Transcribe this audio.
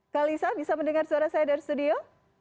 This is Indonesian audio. kalisa bisa mendengar suara saya dari studio